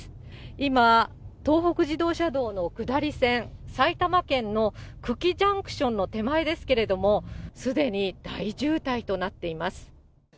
今、東北自動車道の下り線、埼玉県の久喜ジャンクションの手前ですけれども、すでに大渋滞となっています。